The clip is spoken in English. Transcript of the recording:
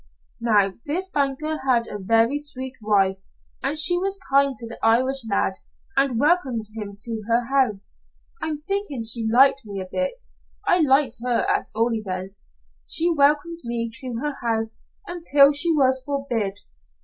"Now this banker had a very sweet wife, and she was kind to the Irish lad and welcomed him to her house. I'm thinking she liked me a bit I liked her at all events. She welcomed me to her house until she was forbid.